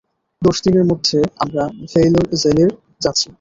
দশ দিনের মধ্যে আমরা ভেলর জেলে যাচ্ছি।